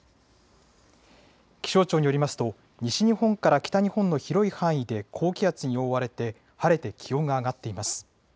気象庁によりますと西日本から北日本の広い範囲で高気圧に覆われて晴れて気温が上がっています。